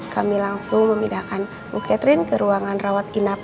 kami langsung memindahkan bu catherine ke ruangan rawat inap